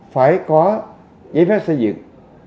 phải có giấy pháp xây dựng